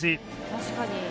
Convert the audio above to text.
確かに。